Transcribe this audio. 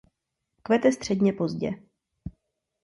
Kvete středně pozdě.